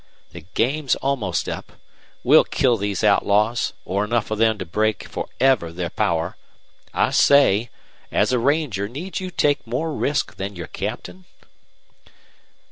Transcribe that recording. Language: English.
The game's almost up. We'll kill these outlaws, or enough of them to break for ever their power. I say, as a ranger, need you take more risk than your captain?"